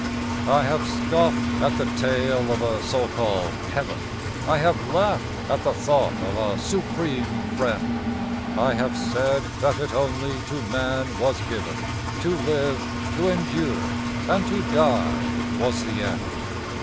I have scoffed at the tale of a so called heaven; I have laughed at the thought of a Supreme Friend; I have said that it only to man was given To live, to endure; and to die was the end.